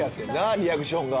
リアクションが。